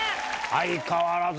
・相変わらず。